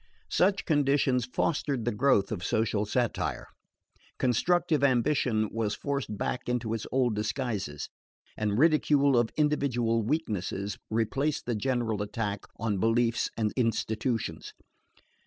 Such conditions fostered the growth of social satire. Constructive ambition was forced back into its old disguises, and ridicule of individual weaknesses replaced the general attack on beliefs and institutions.